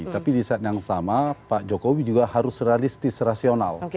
tapi di saat yang sama pak jokowi juga harus realistis rasional